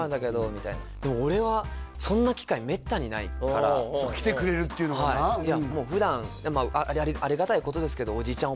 みたいなでも俺はそんな機会めったにないから来てくれるっていうのがな普段ありがたいことですけどおじいちゃん